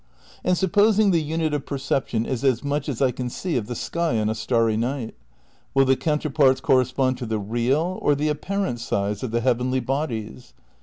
And supposing the unit of perception is as much as I can see of the sky on a starry night ? Will the coun terparts correspond to the real or the apparent size of the heavenly bodies